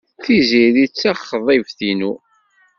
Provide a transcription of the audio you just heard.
Tiziri d taxḍibt-inu.